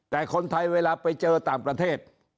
แต่คนไทยเวลาไปเจอต่างประเทศ